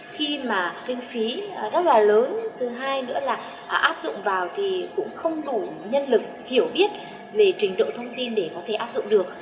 khi mà kinh phí rất là lớn thứ hai nữa là áp dụng vào thì cũng không đủ nhân lực hiểu biết về trình độ thông tin để có thể áp dụng được